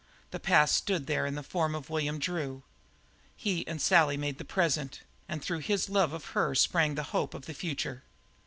The past stood there in the form of William Drew; he and Sally made the present, and through his love of her sprang the hope of the future.